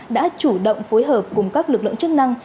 đã chủ động phối hợp cùng các lực lượng chức năng